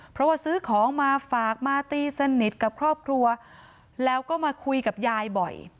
เพราะว่าซื้อของมาฝากมาตีสนิทกับครอบครัวแล้วก็มาคุยกับยายบ่อย